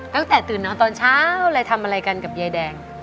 ตั้งแต่ตื่นนอนตอนเช้าเลยทำอะไรกันกับยายแดง